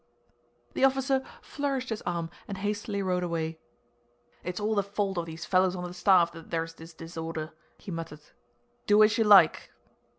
The officer flourished his arm and hastily rode away. "It's all the fault of these fellows on the staff that there's this disorder," he muttered. "Do as you like."